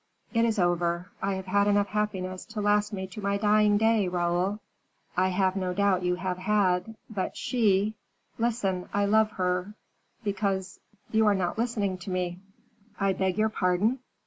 "It is over. I have had enough happiness to last me to my dying day, Raoul." "I have no doubt you have had; but she " "Listen; I love her, because but you are not listening to me." "I beg your pardon."